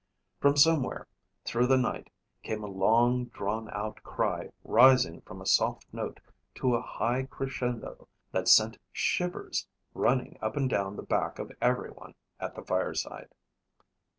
From somewhere through the night came a long drawn out cry rising from a soft note to a high crescendo that sent shivers running up and down the back of everyone at the fireside.